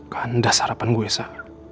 kandas harapan gue sa